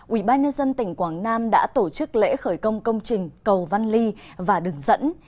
ubnd tỉnh quảng nam đã tổ chức lễ khởi công công trình cầu văn ly và đường dẫn